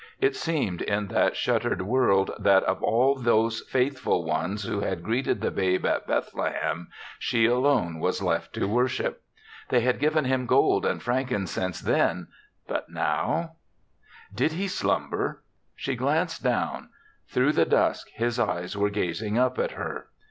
It seemed in that shuttered world that of all those faithful ones who had greeted the babe at Bethlehem she alone was left to worship. They had given him gold and frankincense then; but now Did he slumber? She glanced down; through the dusk his eyes were gazing up at her.